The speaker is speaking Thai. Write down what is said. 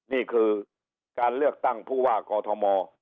นี่คือการเลือกตั้งผู้ว่ากอทม